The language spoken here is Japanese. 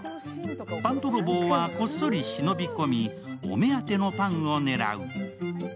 パンどろぼうはこっそり忍び込み、お目当てのパンを狙う。